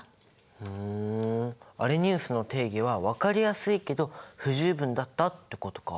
ふんアレニウスの定義は分かりやすいけど不十分だったってことか。